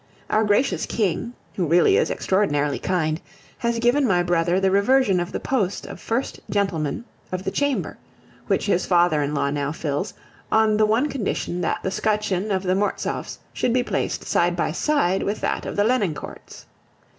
Our gracious King, who really is extraordinarily kind, has given my brother the reversion of the post of first gentleman of the chamber, which his father in law now fills, on the one condition that the scutcheon of the Mortsaufs should be placed side by side with that of the Lenoncourts.